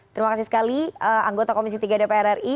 terima kasih sekali anggota komisi tiga dpr ri